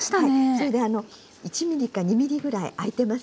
それであの１ｍｍか２ｍｍぐらい開いてますよね。